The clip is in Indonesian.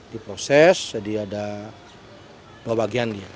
diproses jadi ada dua bagian dia